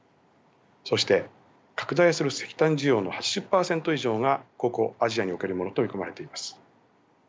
そして拡大する石炭需要の８０％以上がここアジアにおけるものと見込まれています。